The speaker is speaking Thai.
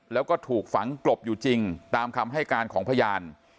แล้วก็ถูกฝังกลบอยู่จริงตามคำให้การของพยาน